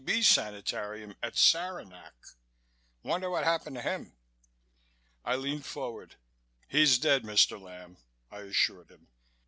B. sanitarium at Saranac. Wonder what happened to him?" I leaned forward. "He's dead, Mr. Lamb," I assured him.